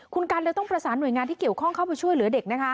คุณกันเลยต้องประสานหน่วยงานที่เกี่ยวข้องเข้าไปช่วยเหลือเด็กนะคะ